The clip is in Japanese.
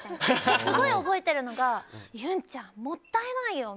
すごい覚えてるのがゆんちゃん、もったいないよ。